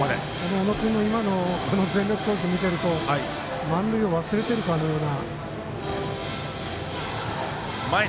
小野君の今の全力投球、見ていると満塁を忘れているかのような。